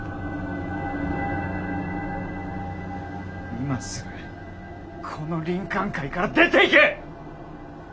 今すぐこの林肯会から出ていけ！